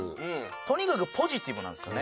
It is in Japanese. とにかくポジティブなんですよね。